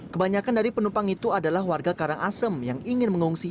kebanyakan dari penumpang itu adalah warga karangasem yang ingin mengungsi